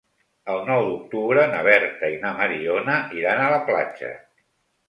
El nou d'octubre na Berta i na Mariona iran a la platja.